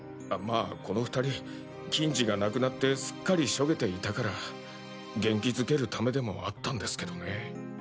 まあこの２人欣二が亡くなってすっかりしょげていたから元気づけるためでもあったんですけどね。